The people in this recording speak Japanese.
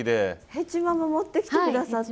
ヘチマも持ってきて下さって。